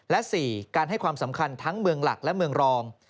และ๔การให้ความสำคัญทั้งเมืองหลักและเมืองรอง